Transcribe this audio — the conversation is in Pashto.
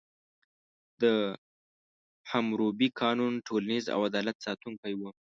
د حموربي قانون ټولنیز او عدالت ساتونکی و.